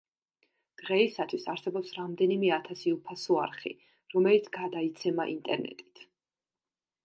დღეისათვის არსებობს რამდენიმე ათასი უფასო არხი, რომელიც გადაიცემა ინტერნეტით.